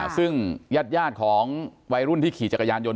ซึ่งญาติของวัยรุ่นที่ขี่จักรยานยนต